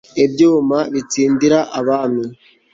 ibyuma bitsindira abami